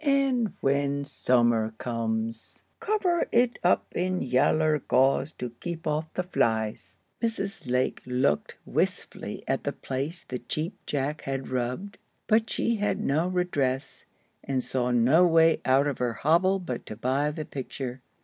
And when summer comes, cover it up in yaller gauze to keep off the flies." Mrs. Lake looked wistfully at the place the Cheap Jack had rubbed, but she had no redress, and saw no way out of her hobble but to buy the picture.